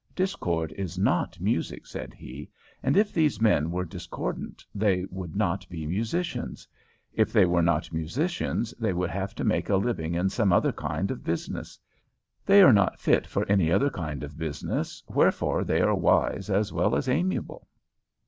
"Discord is not music," said he, "and if these men were discordant they would not be musicians. If they were not musicians they would have to make a living in some other kind of business. They are not fit for any other kind of business, wherefore they are wise as well as amiable."